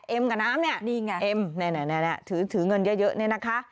เอ็มกับน้ำเนี่ยเอ็มนี่ถือเงินเยอะนี่นะคะ